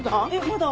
まだ。